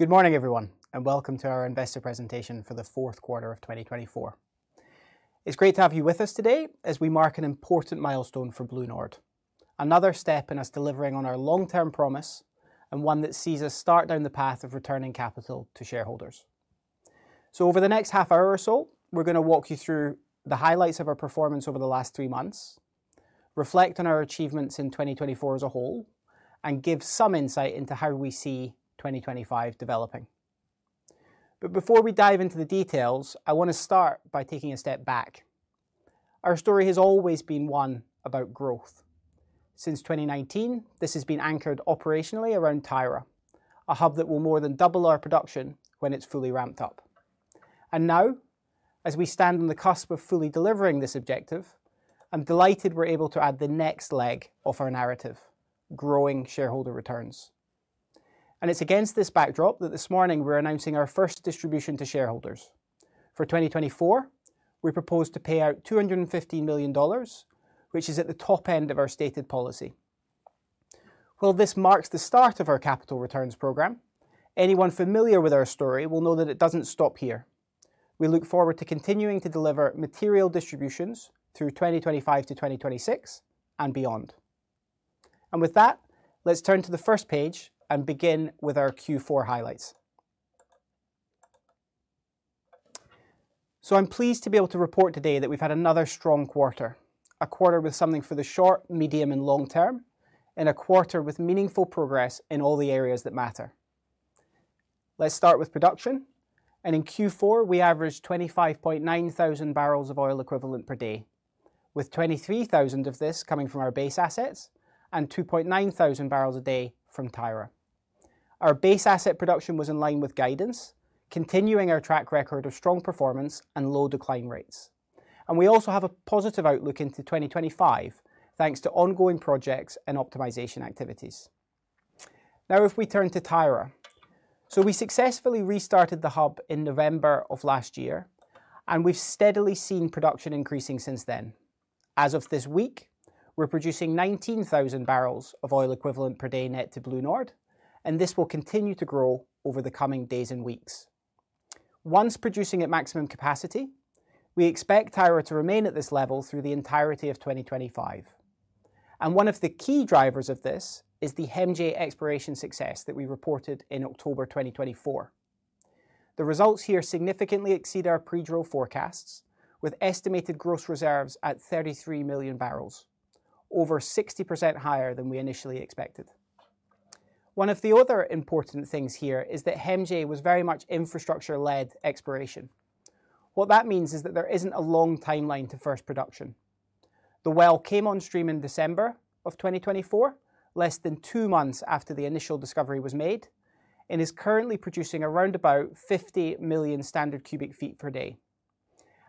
Good morning, everyone, and welcome to our Investor Presentation For The Fourth Quarter of 2024. It's great to have you with us today as we mark an important milestone for BlueNord, another step in us delivering on our long-term promise and one that sees us start down the path of returning capital to shareholders. So, over the next half hour or so, we're going to walk you through the highlights of our performance over the last three months, reflect on our achievements in 2024 as a whole, and give some insight into how we see 2025 developing. But before we dive into the details, I want to start by taking a step back. Our story has always been one about growth. Since 2019, this has been anchored operationally around Tyra, a hub that will more than double our production when it's fully ramped up. And now, as we stand on the cusp of fully delivering this objective, I'm delighted we're able to add the next leg of our narrative: growing shareholder returns. And it's against this backdrop that this morning we're announcing our first distribution to shareholders. For 2024, we propose to pay out $215 million, which is at the top end of our stated policy. While this marks the start of our capital returns program, anyone familiar with our story will know that it doesn't stop here. We look forward to continuing to deliver material distributions through 2025 to 2026 and beyond. And with that, let's turn to the first page and begin with our Q4 highlights. I'm pleased to be able to report today that we've had another strong quarter, a quarter with something for the short, medium, and long term, and a quarter with meaningful progress in all the areas that matter. Let's start with production. In Q4, we averaged 25,900 barrels of oil equivalent per day, with 23,000 of this coming from our base assets and 2,900 barrels a day from Tyra. Our base asset production was in line with guidance, continuing our track record of strong performance and low decline rates. We also have a positive outlook into 2025, thanks to ongoing projects and optimization activities. Now, if we turn to Tyra, so we successfully restarted the hub in November of last year, and we've steadily seen production increasing since then. As of this week, we're producing 19,000 barrels of oil equivalent per day net to BlueNord, and this will continue to grow over the coming days and weeks. Once producing at maximum capacity, we expect Tyra to remain at this level through the entirety of 2025. One of the key drivers of this is the HEMJ exploration success that we reported in October 2024. The results here significantly exceed our pre-drill forecasts, with estimated gross reserves at 33 million barrels, over 60% higher than we initially expected. One of the other important things here is that HEMJ was very much infrastructure-led exploration. What that means is that there isn't a long timeline to first production. The well came on stream in December of 2024, less than two months after the initial discovery was made, and is currently producing around about 50 million standard cubic feet per day.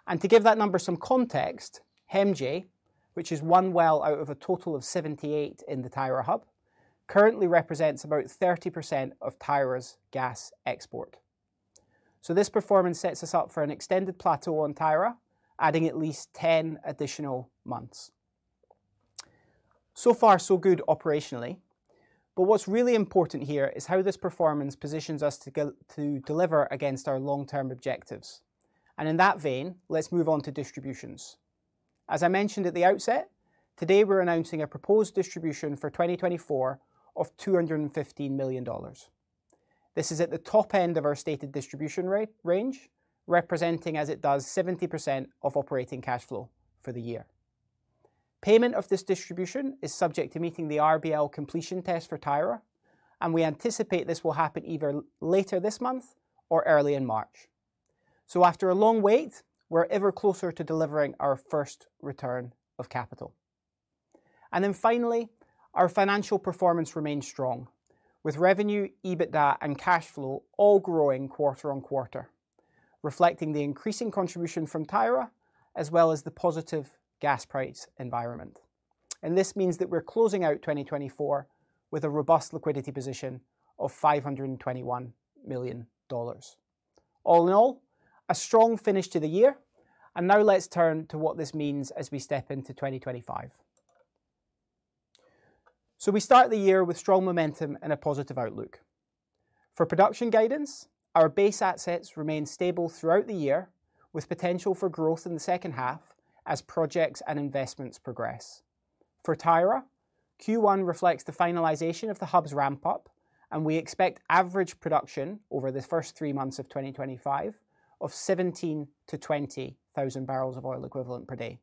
And to give that number some context, HEMJ, which is one well out of a total of 78 in the Tyra hub, currently represents about 30% of Tyra's gas export. So this performance sets us up for an extended plateau on Tyra, adding at least 10 additional months. So far, so good operationally, but what's really important here is how this performance positions us to deliver against our long-term objectives. And in that vein, let's move on to distributions. As I mentioned at the outset, today we're announcing a proposed distribution for 2024 of $215 million. This is at the top end of our stated distribution range, representing, as it does, 70% of operating cash flow for the year. Payment of this distribution is subject to meeting the RBL completion test for Tyra, and we anticipate this will happen either later this month or early in March. So after a long wait, we're ever closer to delivering our first return of capital. And then finally, our financial performance remains strong, with revenue, EBITDA, and cash flow all growing quarter on quarter, reflecting the increasing contribution from Tyra as well as the positive gas price environment. And this means that we're closing out 2024 with a robust liquidity position of $521 million. All in all, a strong finish to the year, and now let's turn to what this means as we step into 2025. So we start the year with strong momentum and a positive outlook. For production guidance, our base assets remain stable throughout the year, with potential for growth in the second half as projects and investments progress. For Tyra, Q1 reflects the finalization of the hub's ramp-up, and we expect average production over the first three months of 2025 of 17,000-20,000 barrels of oil equivalent per day,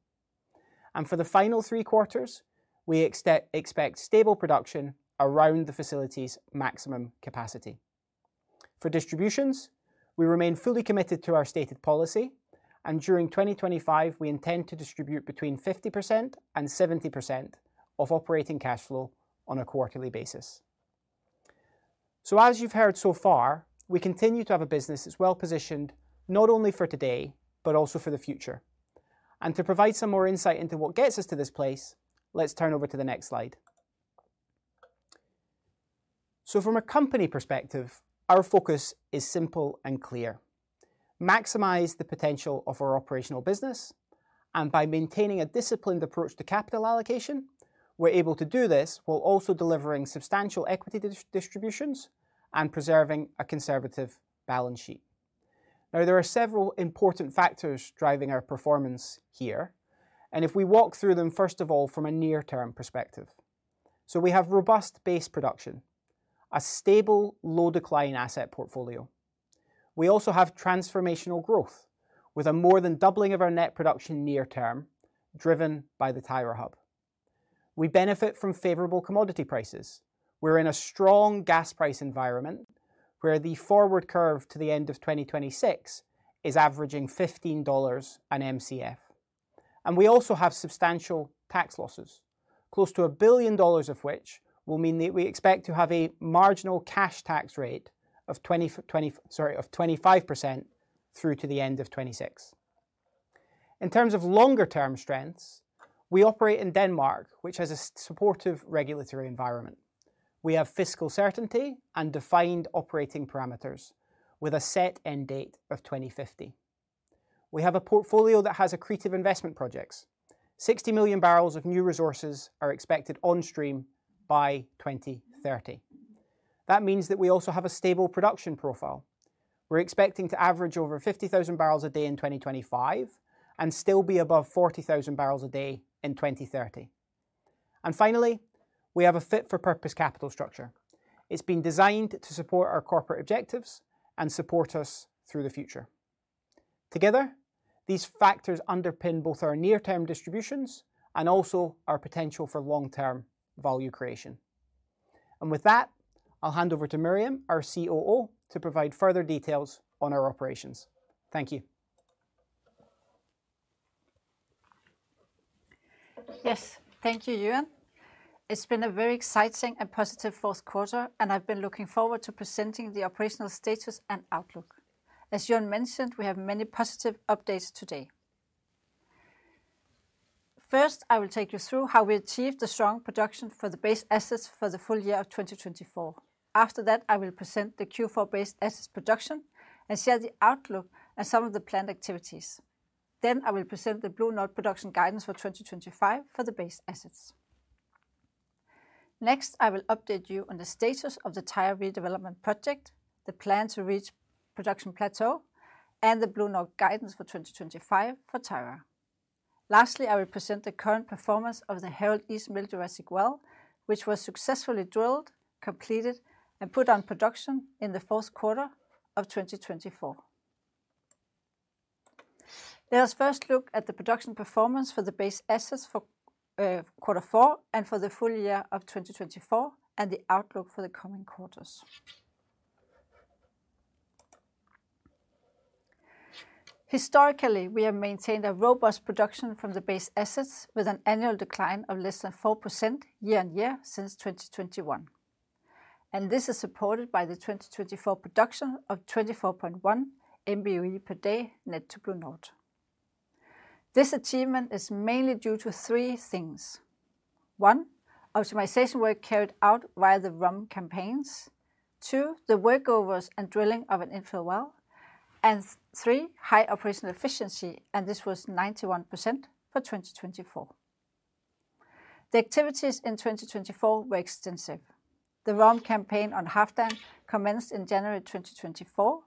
and for the final three quarters, we expect stable production around the facility's maximum capacity. For distributions, we remain fully committed to our stated policy, and during 2025, we intend to distribute between 50% and 70% of operating cash flow on a quarterly basis, so as you've heard so far, we continue to have a business that's well positioned not only for today, but also for the future, and to provide some more insight into what gets us to this place, let's turn over to the next slide. So from a company perspective, our focus is simple and clear: maximize the potential of our operational business, and by maintaining a disciplined approach to capital allocation, we're able to do this while also delivering substantial equity distributions and preserving a conservative balance sheet. Now, there are several important factors driving our performance here, and if we walk through them, first of all, from a near-term perspective, so we have robust base production, a stable, low-decline asset portfolio. We also have transformational growth, with a more than doubling of our net production near-term driven by the Tyra hub. We benefit from favorable commodity prices. We're in a strong gas price environment where the forward curve to the end of 2026 is averaging $15 an MCF. And we also have substantial tax losses, close to $1 billion of which will mean that we expect to have a marginal cash tax rate of 25% through to the end of 2026. In terms of longer-term strengths, we operate in Denmark, which has a supportive regulatory environment. We have fiscal certainty and defined operating parameters with a set end date of 2050. We have a portfolio that has accretive investment projects. 60 million barrels of new resources are expected on stream by 2030. That means that we also have a stable production profile. We're expecting to average over 50,000 barrels a day in 2025 and still be above 40,000 barrels a day in 2030. And finally, we have a fit-for-purpose capital structure. It's been designed to support our corporate objectives and support us through the future. Together, these factors underpin both our near-term distributions and also our potential for long-term value creation. And with that, I'll hand over to Miriam, our COO, to provide further details on our operations. Thank you. Yes, thank you, Euan. It's been a very exciting and positive fourth quarter, and I've been looking forward to presenting the operational status and outlook. As Euan mentioned, we have many positive updates today. First, I will take you through how we achieved the strong production for the base assets for the full year of 2024. After that, I will present the Q4 base assets production and share the outlook and some of the planned activities. Then I will present the BlueNord production guidance for 2025 for the base assets. Next, I will update you on the status of the Tyra redevelopment project, the plan to reach production plateau, and the BlueNord guidance for 2025 for Tyra. Lastly, I will present the current performance of the Harald East Middle Jurassic Well, which was successfully drilled, completed, and put on production in the fourth quarter of 2024. Let us first look at the production performance for the base assets for quarter four and for the full year of 2024, and the outlook for the coming quarters. Historically, we have maintained a robust production from the base assets with an annual decline of less than 4% year on year since 2021. and this is supported by the 2024 production of 24.1 Mboe per day net to BlueNord. This achievement is mainly due to three things. One, optimization work carried out via the RUM campaigns. Two, the workovers and drilling of an infill well. And three, high operational efficiency, and this was 91% for 2024. The activities in 2024 were extensive. The RUM campaign on Halfdan commenced in January 2024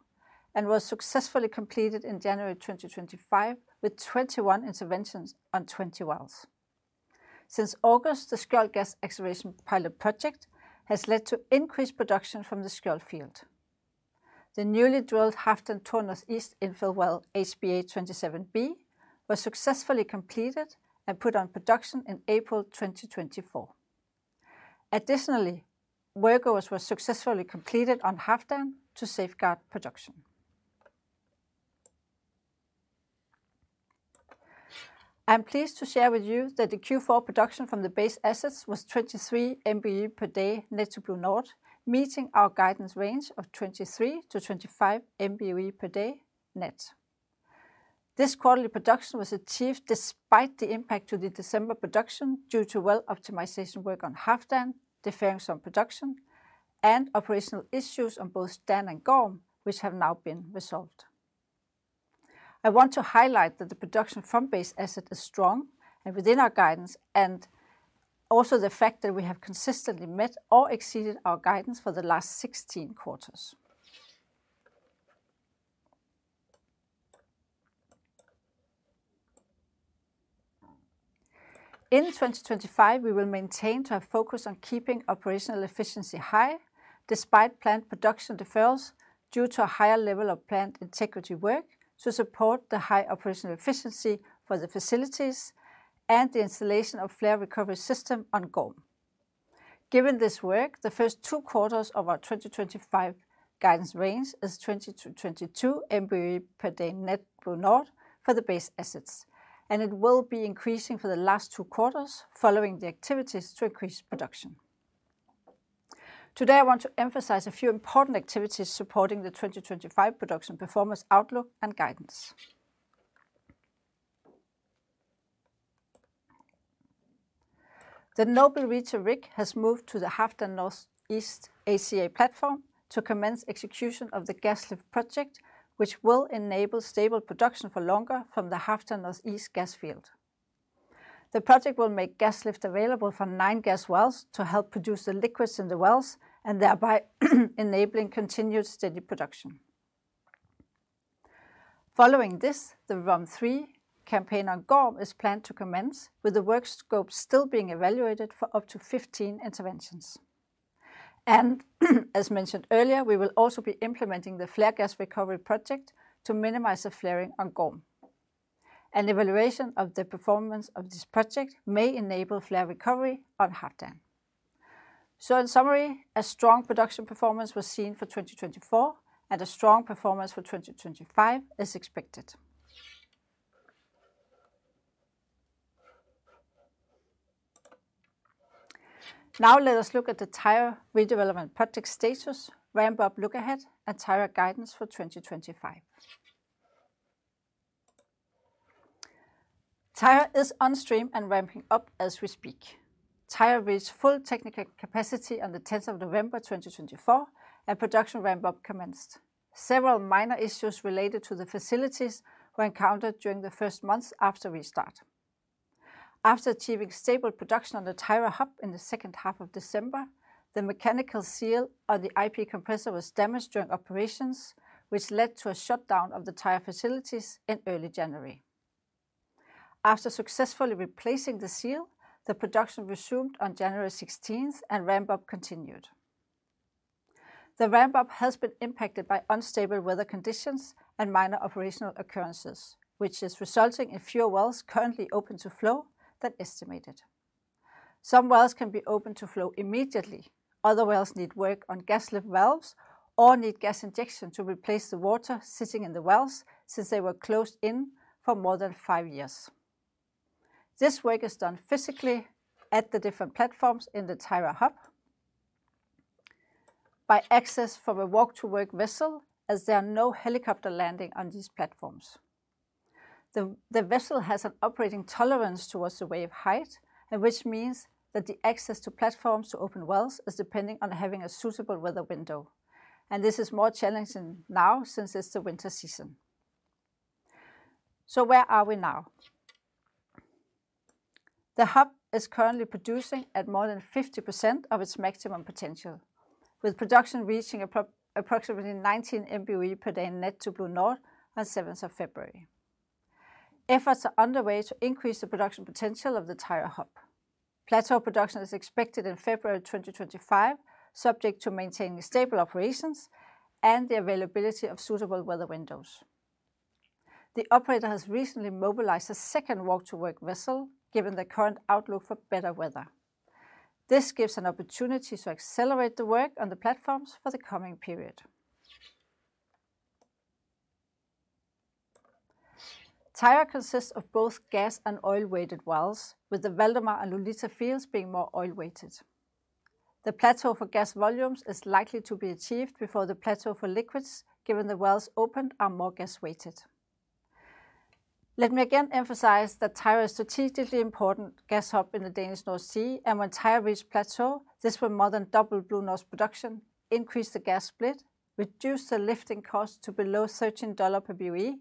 and was successfully completed in January 2025 with 21 interventions on 20 wells. Since August, the Skjold gas exploration pilot project has led to increased production from the Skjold field. The newly drilled Halfdan Tor North East infill well, HBA-27B, was successfully completed and put on production in April 2024. Additionally, workovers were successfully completed on Halfdan to safeguard production. I'm pleased to share with you that the Q4 production from the base assets was 23 Mboe per day net to BlueNord, meeting our guidance range of 23-25 Mboe per day net. This quarterly production was achieved despite the impact to the December production due to well optimization work on Halfdan, deferring some production, and operational issues on both Dan and Gorm, which have now been resolved. I want to highlight that the production from base asset is strong and within our guidance, and also the fact that we have consistently met or exceeded our guidance for the last 16 quarters. In 2025, we will maintain our focus on keeping operational efficiency high despite planned production deferrals due to a higher level of planned integrity work to support the high operational efficiency for the facilities and the installation of flare recovery system on Gorm. Given this work, the first two quarters of our 2025 guidance range is 22 Mboe per day net BlueNord for the base assets, and it will be increasing for the last two quarters following the activities to increase production. Today, I want to emphasize a few important activities supporting the 2025 production performance outlook and guidance. The Noble Reacher rig has moved to the Halfdan North East ACA platform to commence execution of the gas lift project, which will enable stable production for longer from the Halfdan North East gas field. The project will make gas lift available for nine gas wells to help produce the liquids in the wells and thereby enabling continued steady production. Following this, the RUM-3 campaign on Gorm is planned to commence, with the work scope still being evaluated for up to 15 interventions. And as mentioned earlier, we will also be implementing the flare gas recovery project to minimize the flaring on Gorm. An evaluation of the performance of this project may enable flare recovery on Halfdan. So in summary, a strong production performance was seen for 2024, and a strong performance for 2025 is expected. Now let us look at the Tyra redevelopment project status, ramp-up look-ahead, and Tyra guidance for 2025. Tyra is on stream and ramping up as we speak. Tyra reached full technical capacity on the 10th of November 2024, and production ramp-up commenced. Several minor issues related to the facilities were encountered during the first months after restart. After achieving stable production on the Tyra hub in the second half of December, the mechanical seal on the IP compressor was damaged during operations, which led to a shutdown of the Tyra facilities in early January. After successfully replacing the seal, the production resumed on January 16th, and ramp-up continued. The ramp-up has been impacted by unstable weather conditions and minor operational occurrences, which is resulting in fewer wells currently open to flow than estimated. Some wells can be open to flow immediately. Other wells need work on gas lift valves or need gas injection to replace the water sitting in the wells since they were closed in for more than five years. This work is done physically at the different platforms in the Tyra hub by access from a walk-to-work vessel, as there are no helicopter landing on these platforms. The vessel has an operating tolerance towards the wave height, which means that the access to platforms to open wells is depending on having a suitable weather window, and this is more challenging now since it's the winter season, so where are we now? The hub is currently producing at more than 50% of its maximum potential, with production reaching approximately 19 Mboe per day net to BlueNord on 7th of February. Efforts are underway to increase the production potential of the Tyra hub. Plateau production is expected in February 2025, subject to maintaining stable operations and the availability of suitable weather windows. The operator has recently mobilized a second walk-to-work vessel given the current outlook for better weather. This gives an opportunity to accelerate the work on the platforms for the coming period. Tyra consists of both gas and oil-weighted wells, with the Valdemar and Lulita fields being more oil-weighted. The plateau for gas volumes is likely to be achieved before the plateau for liquids, given the wells opened are more gas-weighted. Let me again emphasize that Tyra is strategically important gas hub in the Danish North Sea, and when Tyra reached plateau, this will more than double BlueNord's production, increase the gas split, reduce the lifting cost to below $13 per boe,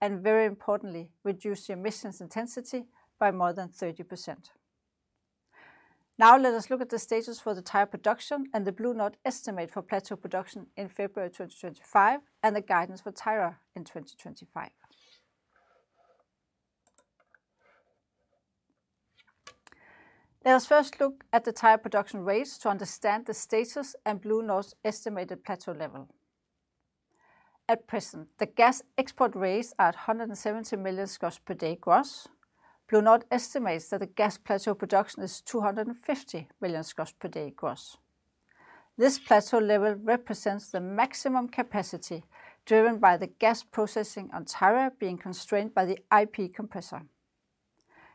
and very importantly, reduce the emissions intensity by more than 30%. Now let us look at the status for the Tyra production and the BlueNord estimate for plateau production in February 2025 and the guidance for Tyra in 2025. Let us first look at the Tyra production rates to understand the status and BlueNord's estimated plateau level. At present, the gas export rates are at 170 million scf per day gross. BlueNord estimates that the gas plateau production is 250 million scf per day gross. This plateau level represents the maximum capacity driven by the gas processing on Tyra being constrained by the IP compressor.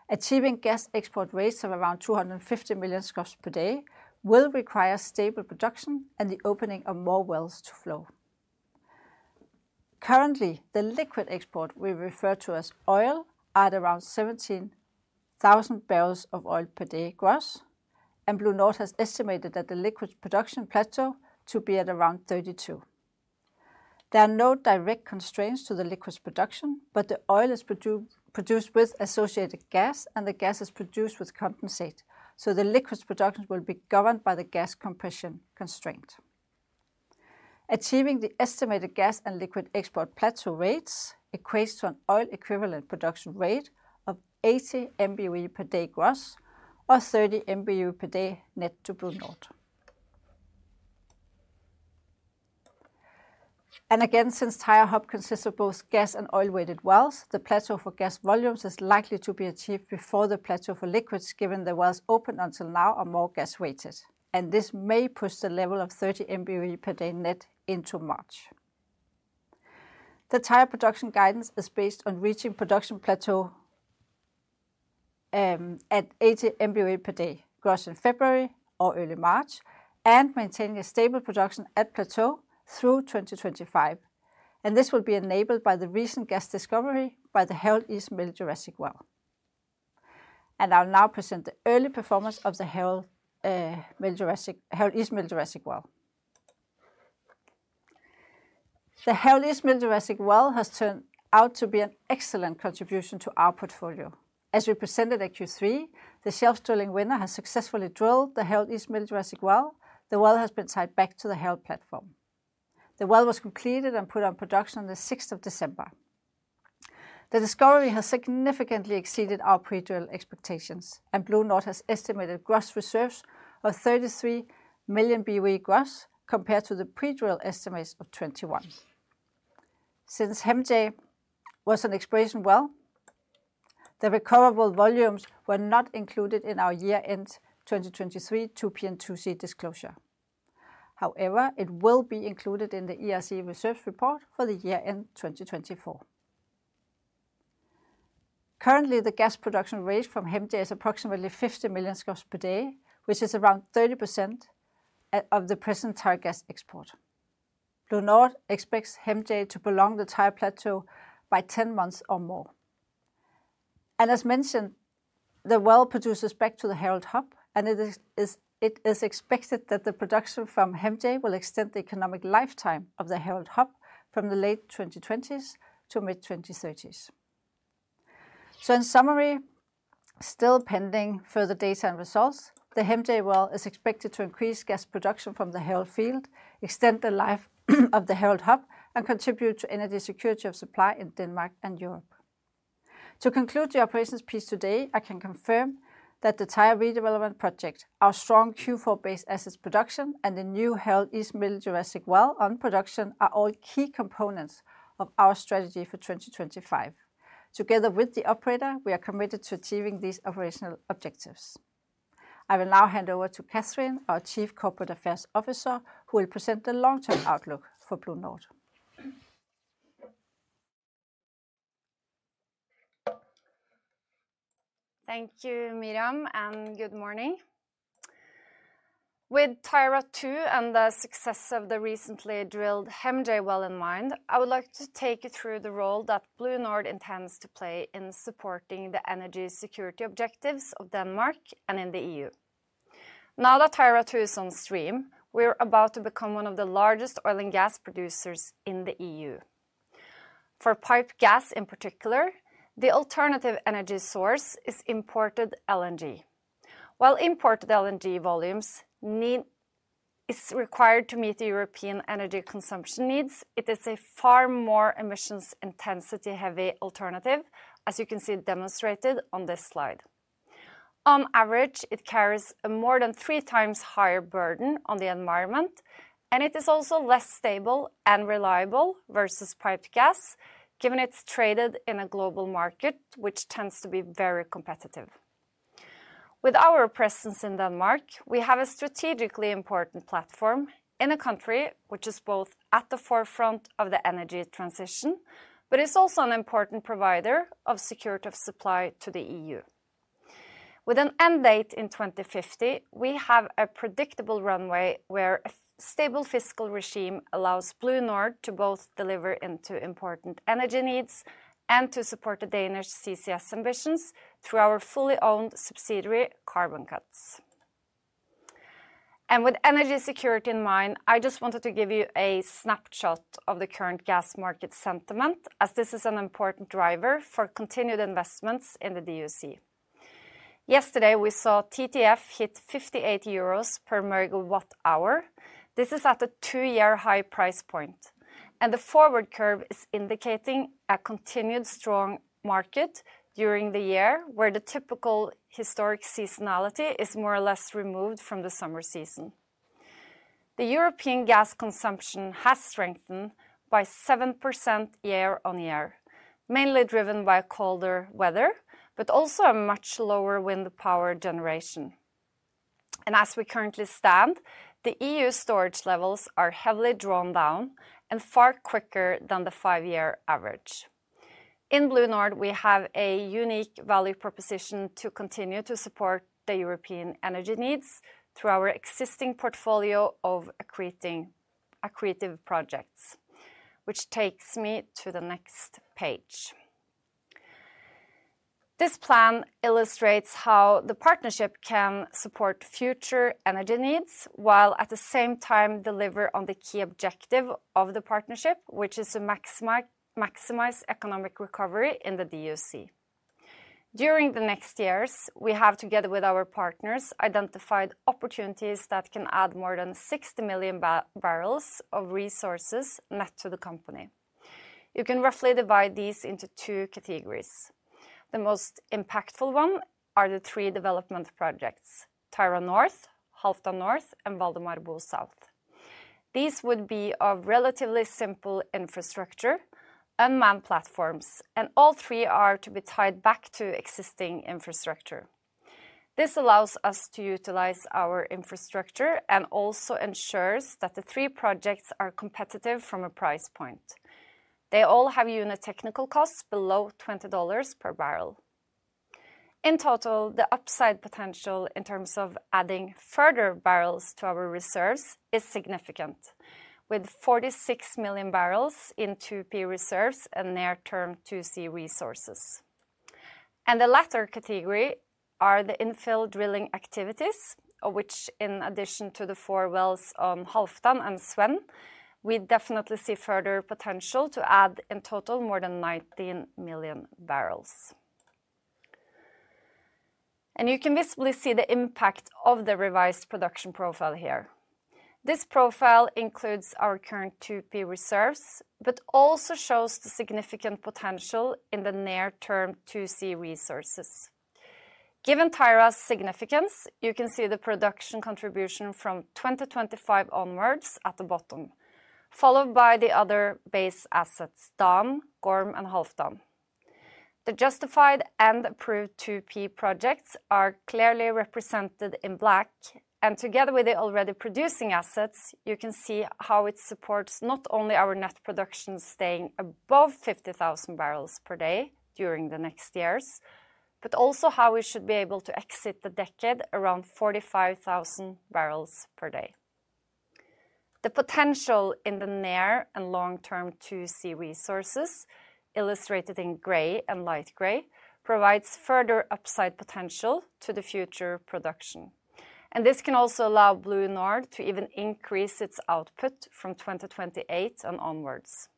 Achieving gas export rates of around 250 million scf per day will require stable production and the opening of more wells to flow. Currently, the liquid export we refer to as oil is at around 17,000 barrels of oil per day gross, and BlueNord has estimated that the liquids production plateau to be at around 32. There are no direct constraints to the liquids production, but the oil is produced with associated gas, and the gas is produced with condensate, so the liquids production will be governed by the gas compression constraint. Achieving the estimated gas and liquid export plateau rates equates to an oil equivalent production rate of 80 Mboe per day gross or 30 Mboe per day net to BlueNord, and again, since Tyra hub consists of both gas and oil-weighted wells, the plateau for gas volumes is likely to be achieved before the plateau for liquids, given the wells opened until now are more gas-weighted, and this may push the level of 30 Mboe per day net into March. The Tyra production guidance is based on reaching production plateau at 80 Mboe per day gross in February or early March and maintaining a stable production at plateau through 2025. This will be enabled by the recent gas discovery by the Harald East Middle Jurassic well. I'll now present the early performance of the Harald East Middle Jurassic well. The Harald East Middle Jurassic well has turned out to be an excellent contribution to our portfolio. As we presented at Q3, the Shelf Drilling Winner has successfully drilled the Harald East Middle Jurassic well. The well has been tied back to the Harald platform. The well was completed and put on production on the 6th of December. The discovery has significantly exceeded our pre-drill expectations, and BlueNord has estimated gross reserves of 33 million boe gross compared to the pre-drill estimates of 21. Since HEMJ was an exploration well, the recoverable volumes were not included in our year-end 2023 2P and 2C disclosure. However, it will be included in the ERC reserves report for the year-end 2024. Currently, the gas production rate from HEMJ is approximately 50 million scf per day, which is around 30% of the present Tyra gas export. BlueNord expects HEMJ to extend the Tyra plateau by 10 months or more, and as mentioned, the well produces back to the Harald hub, and it is expected that the production from HEMJ will extend the economic lifetime of the Harald hub from the late 2020s to mid-2030s. In summary, still pending further data and results, the HEMJ well is expected to increase gas production from the Harald field, extend the life of the Harald hub, and contribute to energy security of supply in Denmark and Europe. To conclude the operations piece today, I can confirm that the Tyra redevelopment project, our strong Q4-based assets production, and the new Harald East Middle Jurassic Well on production are all key components of our strategy for 2025. Together with the operator, we are committed to achieving these operational objectives. I will now hand over to Cathrine, our Chief Corporate Affairs Officer, who will present the long-term outlook for BlueNord. Thank you, Miriam, and good morning. With Tyra 2 and the success of the recently drilled HEMJ well in mind, I would like to take you through the role that BlueNord intends to play in supporting the energy security objectives of Denmark and in the EU. Now that Tyra 2 is on stream, we are about to become one of the largest oil and gas producers in the EU. For pipe gas in particular, the alternative energy source is imported LNG. While imported LNG volumes needed are required to meet the European energy consumption needs, it is a far more emissions-intensity heavy alternative, as you can see demonstrated on this slide. On average, it carries a more than three times higher burden on the environment, and it is also less stable and reliable versus piped gas, given it's traded in a global market, which tends to be very competitive. With our presence in Denmark, we have a strategically important platform in a country which is both at the forefront of the energy transition, but it's also an important provider of security of supply to the EU. With an end date in 2050, we have a predictable runway where a stable fiscal regime allows BlueNord to both deliver into important energy needs and to support the Danish CCS ambitions through our fully owned subsidiary CarbonCuts. And with energy security in mind, I just wanted to give you a snapshot of the current gas market sentiment, as this is an important driver for continued investments in the DUC. Yesterday, we saw TTF hit 58 euros per megawatt hour. This is at a two-year high price point, and the forward curve is indicating a continued strong market during the year where the typical historic seasonality is more or less removed from the summer season. The European gas consumption has strengthened by 7% year on year, mainly driven by colder weather, but also a much lower wind power generation. As we currently stand, the EU storage levels are heavily drawn down and far quicker than the five-year average. In BlueNord, we have a unique value proposition to continue to support the European energy needs through our existing portfolio of accretive projects, which takes me to the next page. This plan illustrates how the partnership can support future energy needs while at the same time deliver on the key objective of the partnership, which is to maximize economic recovery in the DUC. During the next years, we have, together with our partners, identified opportunities that can add more than 60 million barrels of resources net to the company. You can roughly divide these into two categories. The most impactful one are the three development projects: Tyra North, Halfdan North, and Valdemar Bo South. These would be of relatively simple infrastructure, unmanned platforms, and all three are to be tied back to existing infrastructure. This allows us to utilize our infrastructure and also ensures that the three projects are competitive from a price point. They all have unit technical costs below $20 per barrel. In total, the upside potential in terms of adding further barrels to our reserves is significant, with 46 million barrels in 2P reserves and near-term 2C resources, and the latter category are the infill drilling activities, which, in addition to the four wells on Halfdan and Svend, we definitely see further potential to add in total more than 19 million barrels, and you can visibly see the impact of the revised production profile here. This profile includes our current 2P reserves, but also shows the significant potential in the near-term 2C resources. Given Tyra's significance, you can see the production contribution from 2025 onwards at the bottom, followed by the other base assets: Dan, Gorm, and Halfdan. The justified and approved 2P projects are clearly represented in black, and together with the already producing assets, you can see how it supports not only our net production staying above 50,000 barrels per day during the next years, but also how we should be able to exit the decade around 45,000 barrels per day. The potential in the near and long-term 2C resources, illustrated in gray and light gray, provides further upside potential to the future production. And this can also allow BlueNord to even increase its output from 2028 and onwards.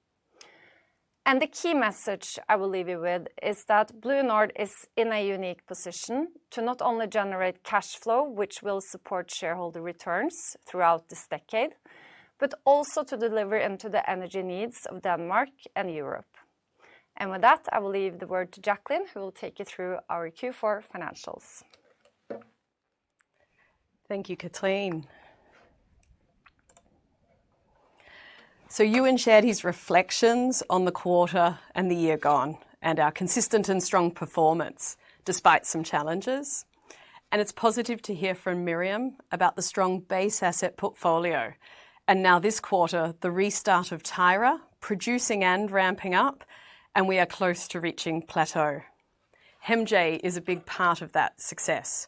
The key message I will leave you with is that BlueNord is in a unique position to not only generate cash flow, which will support shareholder returns throughout this decade, but also to deliver into the energy needs of Denmark and Europe. With that, I will leave the word to Jacqueline, who will take you through our Q4 financials. Thank you, Cathrine. You've shared her reflections on the quarter and the year gone and our consistent and strong performance despite some challenges. It's positive to hear from Miriam about the strong base asset portfolio. Now this quarter, the restart of Tyra, producing and ramping up, and we are close to reaching plateau. HEMJ is a big part of that success.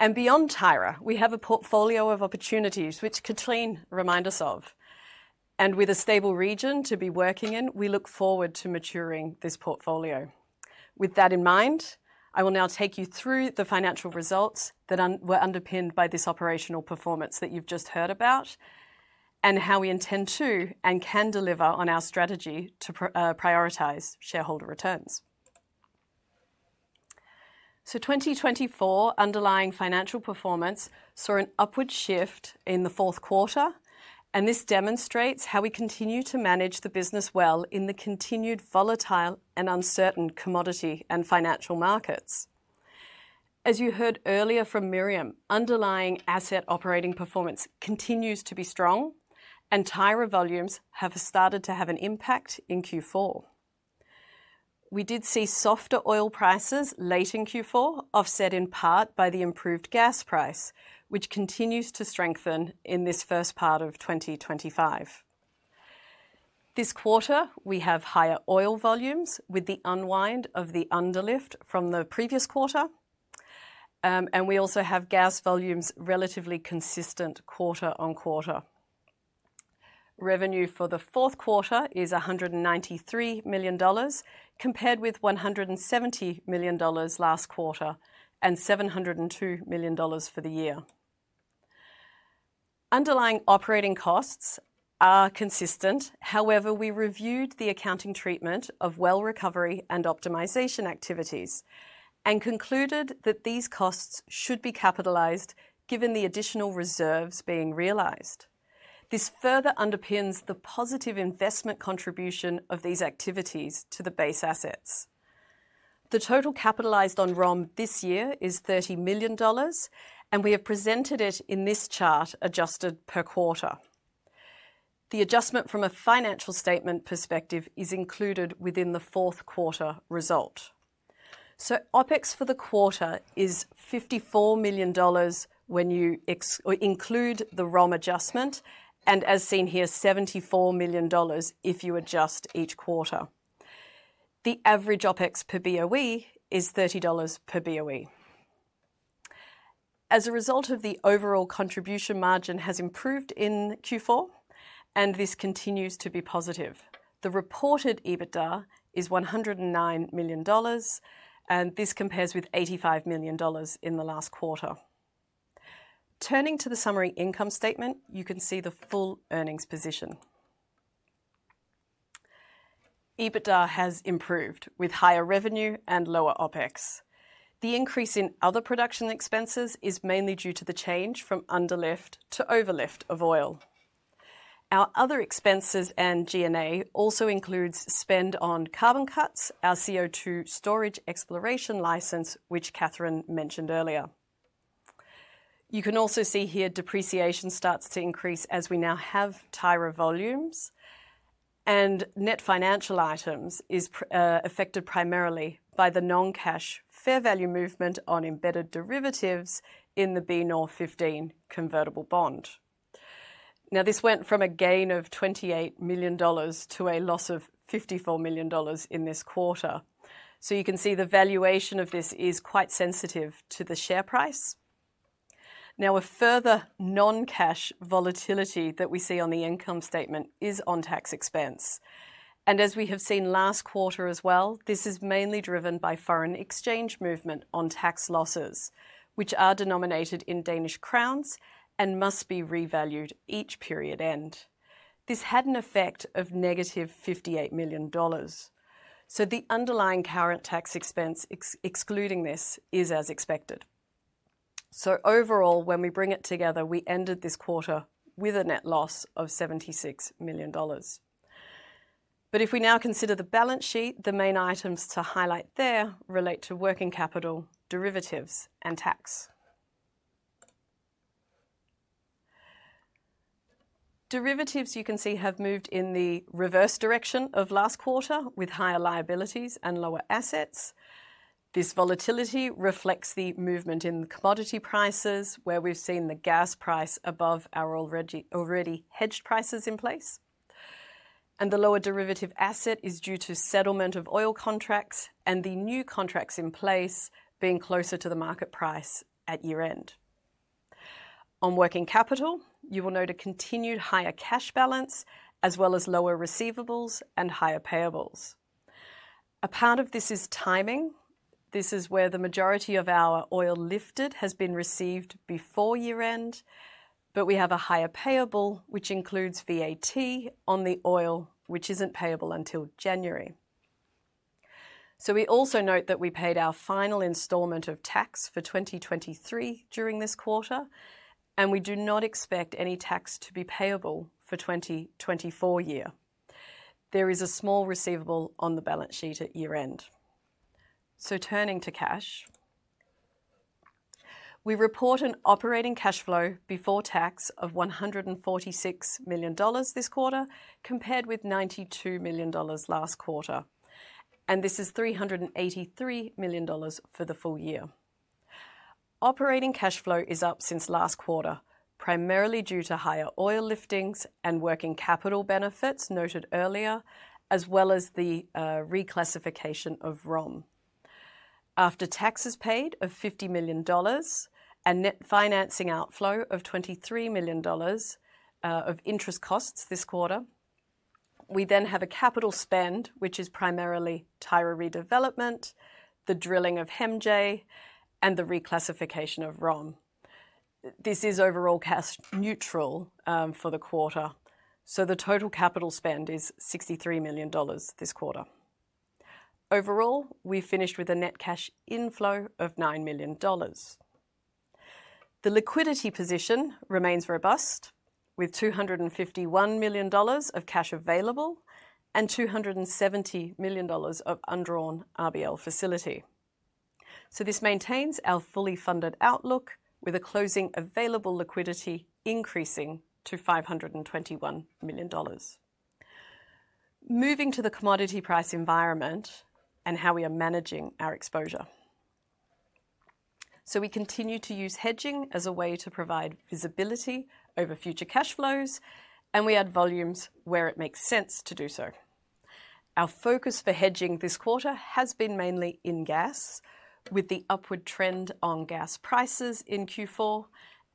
Beyond Tyra, we have a portfolio of opportunities, which Cathrine reminded us of. With a stable region to be working in, we look forward to maturing this portfolio. With that in mind, I will now take you through the financial results that were underpinned by this operational performance that you've just heard about and how we intend to and can deliver on our strategy to prioritize shareholder returns. 2024 underlying financial performance saw an upward shift in the fourth quarter, and this demonstrates how we continue to manage the business well in the continued volatile and uncertain commodity and financial markets. As you heard earlier from Miriam, underlying asset operating performance continues to be strong, and Tyra volumes have started to have an impact in Q4. We did see softer oil prices late in Q4, offset in part by the improved gas price, which continues to strengthen in this first part of 2025. This quarter, we have higher oil volumes with the unwind of the under lift from the previous quarter, and we also have gas volumes relatively consistent quarter on quarter. Revenue for the fourth quarter is $193 million, compared with $170 million last quarter and $702 million for the year. Underlying operating costs are consistent. However, we reviewed the accounting treatment of well recovery and optimization activities and concluded that these costs should be capitalized, given the additional reserves being realized. This further underpins the positive investment contribution of these activities to the base assets. The total capitalized on RUM this year is $30 million, and we have presented it in this chart adjusted per quarter. The adjustment from a financial statement perspective is included within the fourth quarter result. So OPEX for the quarter is $54 million when you include the ROM adjustment, and as seen here, $74 million if you adjust each quarter. The average OPEX per BOE is $30 per BOE. As a result of the overall contribution margin has improved in Q4, and this continues to be positive. The reported EBITDA is $109 million, and this compares with $85 million in the last quarter. Turning to the summary income statement, you can see the full earnings position. EBITDA has improved with higher revenue and lower OPEX. The increase in other production expenses is mainly due to the change from under lift to over lift of oil. Our other expenses and G&A also include spend on CarbonCuts, our CO2 storage exploration license, which Cathrine mentioned earlier. You can also see here depreciation starts to increase as we now have Tyra volumes, and net financial items is affected primarily by the non-cash fair value movement on embedded derivatives in the BNOR 15 convertible bond. Now, this went from a gain of $28 million to a loss of $54 million in this quarter. So you can see the valuation of this is quite sensitive to the share price. Now, a further non-cash volatility that we see on the income statement is on tax expense. And as we have seen last quarter as well, this is mainly driven by foreign exchange movement on tax losses, which are denominated in Danish crowns and must be revalued each period end. This had an effect of -$58 million. So the underlying current tax expense excluding this is as expected. So overall, when we bring it together, we ended this quarter with a net loss of $76 million. But if we now consider the balance sheet, the main items to highlight there relate to working capital, derivatives, and tax. Derivatives, you can see, have moved in the reverse direction of last quarter with higher liabilities and lower assets. This volatility reflects the movement in commodity prices, where we've seen the gas price above our already hedged prices in place. And the lower derivative asset is due to settlement of oil contracts and the new contracts in place being closer to the market price at year end. On working capital, you will note a continued higher cash balance as well as lower receivables and higher payables. A part of this is timing. This is where the majority of our oil lifted has been received before year end, but we have a higher payable, which includes VAT on the oil, which isn't payable until January, so we also note that we paid our final installment of tax for 2023 during this quarter, and we do not expect any tax to be payable for 2024 year. There is a small receivable on the balance sheet at year end, so turning to cash, we report an operating cash flow before tax of $146 million this quarter, compared with $92 million last quarter, and this is $383 million for the full year. Operating cash flow is up since last quarter, primarily due to higher oil liftings and working capital benefits noted earlier, as well as the reclassification of RUM. After taxes paid of $50 million and net financing outflow of $23 million of interest costs this quarter, we then have a capital spend, which is primarily Tyra redevelopment, the drilling of HEMJ, and the reclassification of RUM. This is overall cash neutral for the quarter. So the total capital spend is $63 million this quarter. Overall, we finished with a net cash inflow of $9 million. The liquidity position remains robust, with $251 million of cash available and $270 million of undrawn RBL facility. So this maintains our fully funded outlook, with a closing available liquidity increasing to $521 million. Moving to the commodity price environment and how we are managing our exposure. So we continue to use hedging as a way to provide visibility over future cash flows, and we add volumes where it makes sense to do so. Our focus for hedging this quarter has been mainly in gas, with the upward trend on gas prices in Q4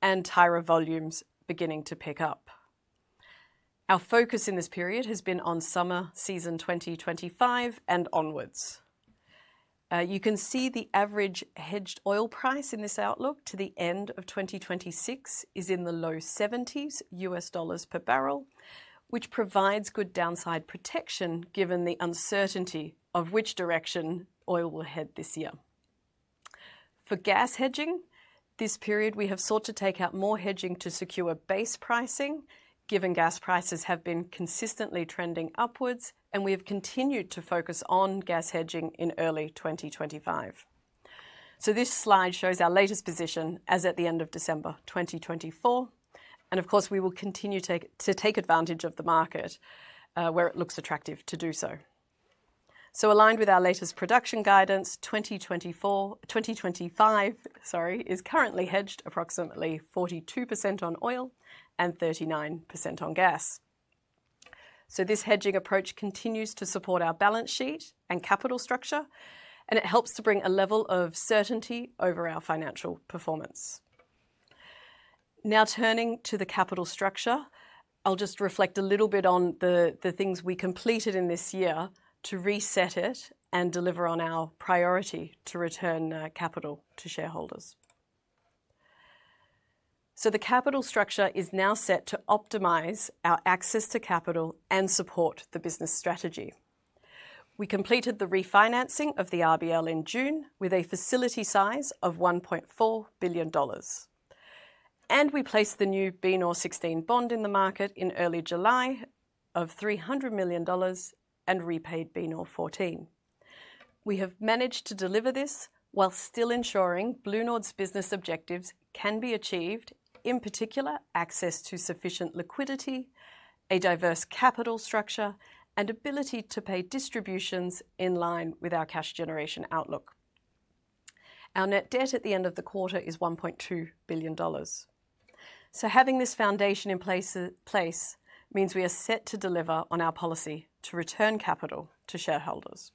and Tyra volumes beginning to pick up. Our focus in this period has been on summer season 2025 and onwards. You can see the average hedged oil price in this outlook to the end of 2026 is in the low 70s $ per barrel, which provides good downside protection given the uncertainty of which direction oil will head this year. For gas hedging, this period we have sought to take out more hedging to secure base pricing, given gas prices have been consistently trending upwards, and we have continued to focus on gas hedging in early 2025. So this slide shows our latest position as at the end of December 2024. Of course, we will continue to take advantage of the market where it looks attractive to do so. Aligned with our latest production guidance, 2025, sorry, is currently hedged approximately 42% on oil and 39% on gas. This hedging approach continues to support our balance sheet and capital structure, and it helps to bring a level of certainty over our financial performance. Now turning to the capital structure, I'll just reflect a little bit on the things we completed in this year to reset it and deliver on our priority to return capital to shareholders. The capital structure is now set to optimize our access to capital and support the business strategy. We completed the refinancing of the RBL in June with a facility size of $1.4 billion. We placed the new BNOR16 bond in the market in early July of $300 million and repaid BNOR14. We have managed to deliver this while still ensuring BlueNord's business objectives can be achieved, in particular access to sufficient liquidity, a diverse capital structure, and ability to pay distributions in line with our cash generation outlook. Our net debt at the end of the quarter is $1.2 billion. Having this foundation in place means we are set to deliver on our policy to return capital to shareholders.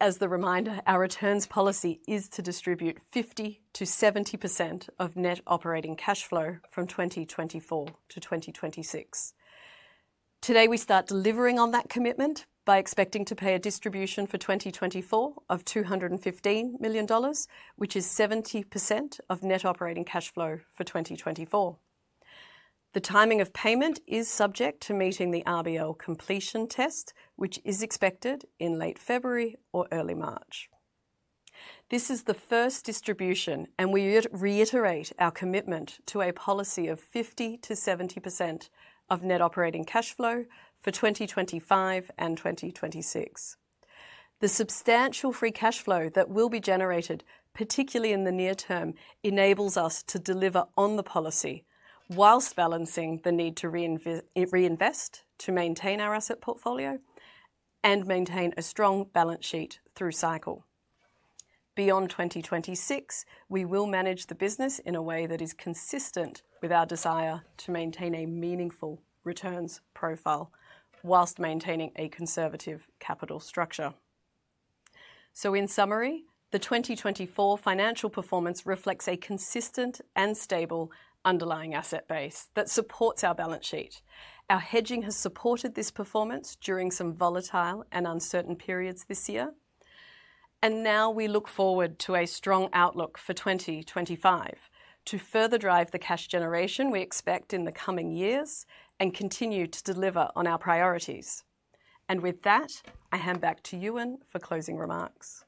As a reminder, our returns policy is to distribute 50%-70% of net operating cash flow from 2024 to 2026. Today, we start delivering on that commitment by expecting to pay a distribution for 2024 of $215 million, which is 70% of net operating cash flow for 2024. The timing of payment is subject to meeting the RBL completion test, which is expected in late February or early March. This is the first distribution, and we reiterate our commitment to a policy of 50%-70% of net operating cash flow for 2025 and 2026. The substantial free cash flow that will be generated, particularly in the near term, enables us to deliver on the policy whilst balancing the need to reinvest to maintain our asset portfolio and maintain a strong balance sheet through cycle. Beyond 2026, we will manage the business in a way that is consistent with our desire to maintain a meaningful returns profile whilst maintaining a conservative capital structure. So in summary, the 2024 financial performance reflects a consistent and stable underlying asset base that supports our balance sheet. Our hedging has supported this performance during some volatile and uncertain periods this year. And now we look forward to a strong outlook for 2025 to further drive the cash generation we expect in the coming years and continue to deliver on our priorities. And with that, I hand back to Euan for closing remarks.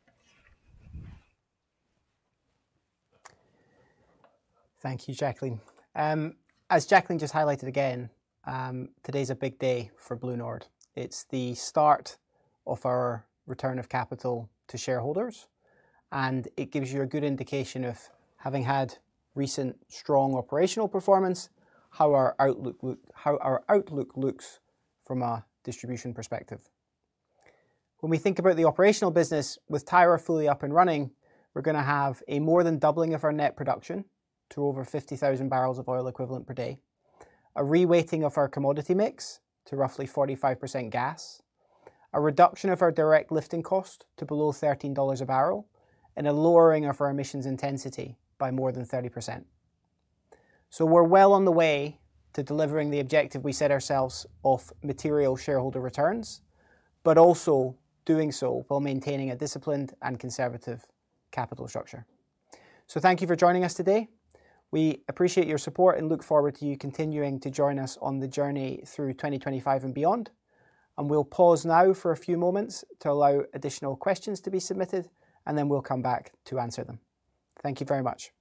Thank you, Jacqueline. As Jacqueline just highlighted again, today's a big day for BlueNord. It's the start of our return of capital to shareholders, and it gives you a good indication of having had recent strong operational performance, how our outlook looks from a distribution perspective. When we think about the operational business with Tyra fully up and running, we're going to have a more than doubling of our net production to over 50,000 barrels of oil equivalent per day, a reweighting of our commodity mix to roughly 45% gas, a reduction of our direct lifting cost to below $13 a barrel, and a lowering of our emissions intensity by more than 30%. So we're well on the way to delivering the objective we set ourselves of material shareholder returns, but also doing so while maintaining a disciplined and conservative capital structure. So thank you for joining us today. We appreciate your support and look forward to you continuing to join us on the journey through 2025 and beyond. And we'll pause now for a few moments to allow additional questions to be submitted, and then we'll come back to answer them. Thank you very much.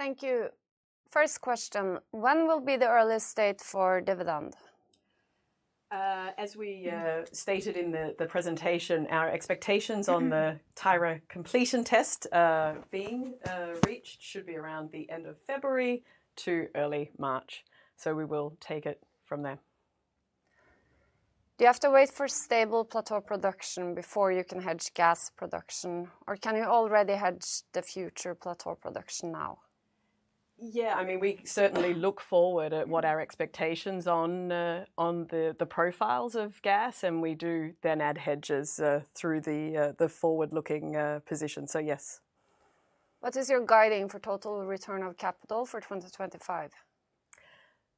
Thank you. First question, when will be the earliest date for dividend? As we stated in the presentation, our expectations on the Tyra completion test being reached should be around the end of February to early March. So we will take it from there. Do you have to wait for stable plateau production before you can hedge gas production, or can you already hedge the future plateau production now? Yeah, I mean, we certainly look forward at what our expectations are on the profiles of gas, and we do then add hedges through the forward-looking position. So yes. What is your guidance for total return of capital for 2025?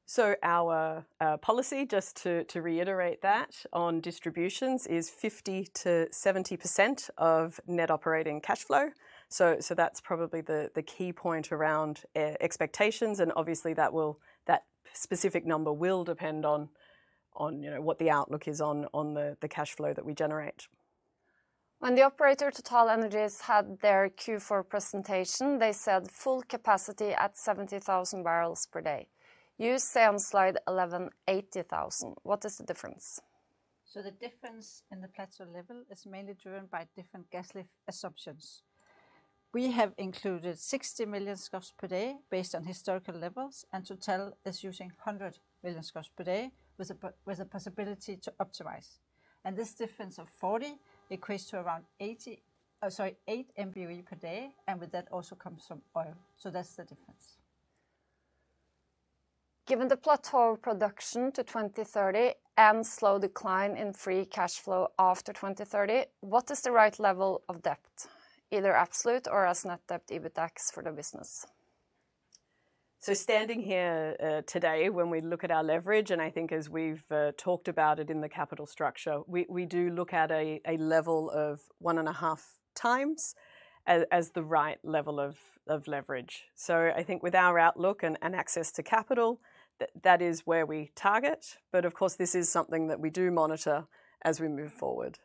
So our policy, just to reiterate that on distributions, is 50%-70% of net operating cash flow. So that's probably the key point around expectations. And obviously, that specific number will depend on what the outlook is on the cash flow that we generate. When the operator TotalEnergies had their Q4 presentation, they said full capacity at 70,000 barrels per day. You say on slide 11, 80,000. What is the difference? So the difference in the plateau level is mainly driven by different gas lift assumptions. We have included 60 million scf per day based on historical levels, and Total is using 100 million scf per day with a possibility to optimize. And this difference of 40 equates to around 80, sorry, 8 Mboe per day, and with that also comes some oil. So that's the difference. Given the plateau production to 2030 and slow decline in free cash flow after 2030, what is the right level of debt, either absolute or as net debt EBITDAX for the business? So standing here today, when we look at our leverage, and I think as we've talked about it in the capital structure, we do look at a level of one and a half times as the right level of leverage. So I think with our outlook and access to capital, that is where we target. But of course, this is something that we do monitor as we move forward.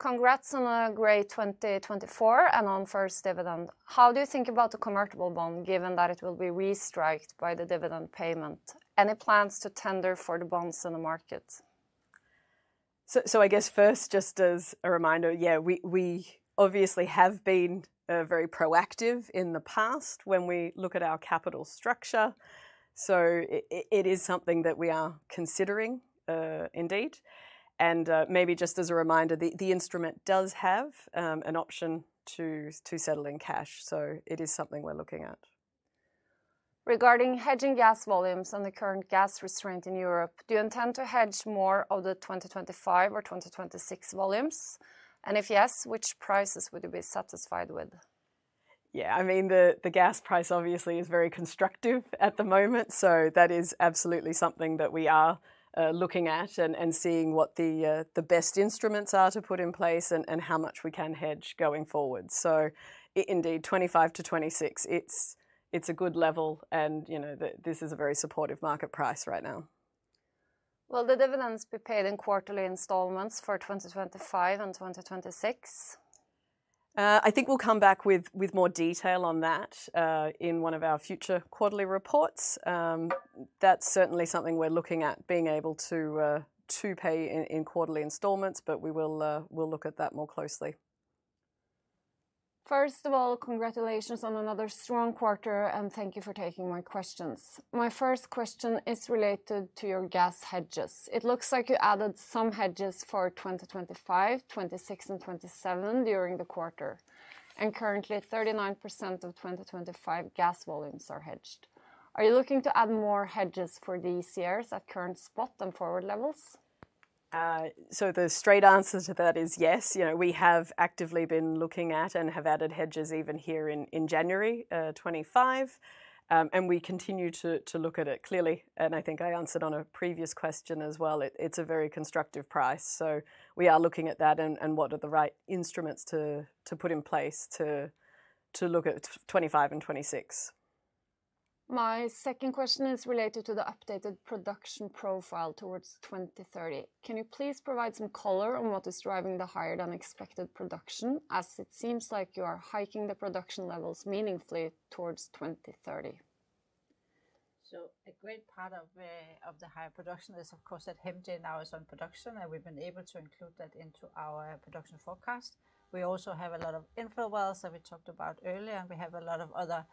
Congrats on a great 2024 and on first dividend. How do you think about the convertible bond, given that it will be restricted by the dividend payment? Any plans to tender for the bonds in the market? So I guess first, just as a reminder, yeah, we obviously have been very proactive in the past when we look at our capital structure. So it is something that we are considering indeed. Maybe just as a reminder, the instrument does have an option to settle in cash. So it is something we're looking at. Regarding hedging gas volumes on the current gas market in Europe, do you intend to hedge more of the 2025 or 2026 volumes? And if yes, which prices would you be satisfied with? Yeah, I mean, the gas price obviously is very constructive at the moment. So that is absolutely something that we are looking at and seeing what the best instruments are to put in place and how much we can hedge going forward. So indeed, 2025 to 2026, it's a good level. And this is a very supportive market price right now. Will the dividends be paid in quarterly installments for 2025 and 2026? I think we'll come back with more detail on that in one of our future quarterly reports. That's certainly something we're looking at being able to pay in quarterly installments, but we will look at that more closely. First of all, congratulations on another strong quarter, and thank you for taking my questions. My first question is related to your gas hedges. It looks like you added some hedges for 2025, 2026, and 2027 during the quarter, and currently 39% of 2025 gas volumes are hedged. Are you looking to add more hedges for these years at current spot and forward levels? So the straight answer to that is yes. We have actively been looking at and have added hedges even here in January 2025, and we continue to look at it clearly. And I think I answered on a previous question as well. It's a very constructive price. We are looking at that and what are the right instruments to put in place to look at 2025 and 2026. My second question is related to the updated production profile towards 2030. Can you please provide some color on what is driving the higher than expected production, as it seems like you are hiking the production levels meaningfully towards 2030? A great part of the higher production is, of course, that HEMJ now is on production, and we've been able to include that into our production forecast. We also have a lot of infill wells that we talked about earlier, and we have a lot of other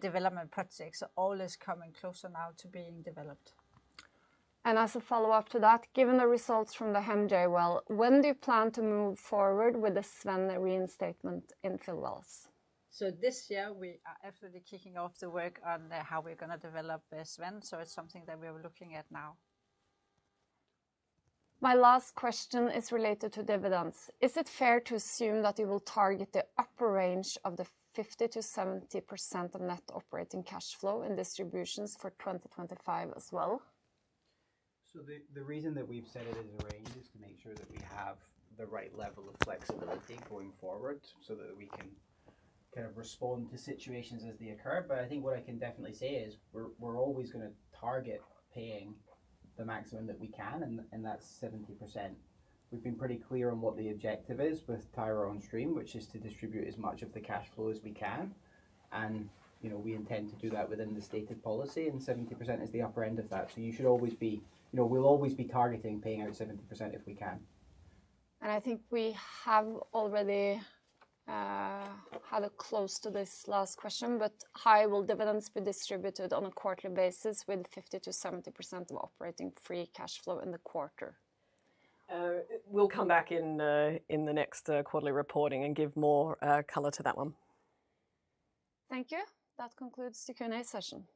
development projects. All is coming closer now to being developed. As a follow-up to that, given the results from the HEMJ well, when do you plan to move forward with the Svend reinstatement infill wells? This year, we are absolutely kicking off the work on how we're going to develop Svend. So it's something that we are looking at now. My last question is related to dividends. Is it fair to assume that you will target the upper range of the 50%-70% of net operating cash flow in distributions for 2025 as well? So the reason that we've set it as a range is to make sure that we have the right level of flexibility going forward so that we can kind of respond to situations as they occur. But I think what I can definitely say is we're always going to target paying the maximum that we can, and that's 70%. We've been pretty clear on what the objective is with Tyra on stream, which is to distribute as much of the cash flow as we can. And we intend to do that within the stated policy, and 70% is the upper end of that. So you should always be, we'll always be targeting paying out 70% if we can. And I think we have already had a close to this last question, but how will dividends be distributed on a quarterly basis with 50% to 70% of operating free cash flow in the quarter? We'll come back in the next quarterly reporting and give more color to that one. Thank you. That concludes the Q&A session.